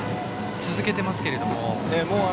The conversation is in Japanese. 続けていますけども。